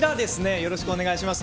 よろしくお願いします。